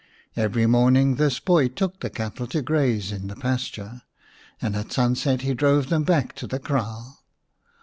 Every morning this boy took the cattle to graze in the pasture, and at sunset he drove them back to the kraal.